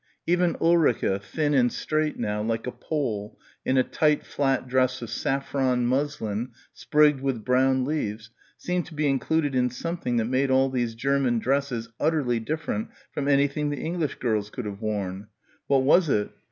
Even Ulrica, thin and straight now ... like a pole ... in a tight flat dress of saffron muslin sprigged with brown leaves, seemed to be included in something that made all these German dresses utterly different from anything the English girls could have worn. What was it?